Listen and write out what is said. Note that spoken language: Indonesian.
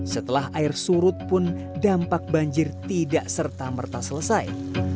setelah air surut pun dampak banjir tidak serta merta selesai